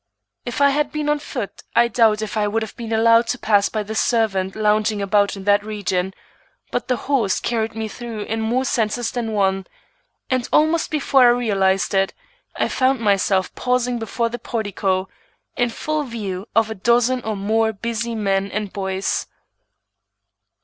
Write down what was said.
If I had been on foot I doubt if I would have been allowed to pass by the servant lounging about in that region, but the horse carried me through in more senses than one, and almost before I realized it, I found myself pausing before the portico, in full view of a dozen or more busy men and boys.